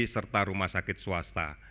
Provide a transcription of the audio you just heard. serta rumah sakit swasta